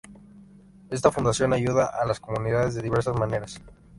Esta fundación ayuda a las comunidades de diversas maneras.